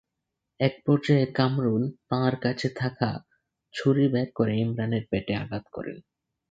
একপর্যায়ে কামরুল তাঁর কাছে থাকা ছুরি বের করে ইমরানের পেটে আঘাত করেন।